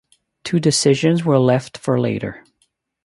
Two decisions were left for later.